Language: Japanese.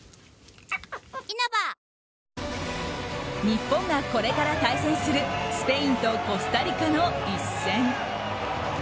日本がこれから対戦するスペインとコスタリカの一戦。